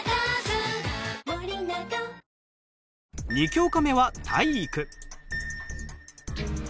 ２教科目は体育。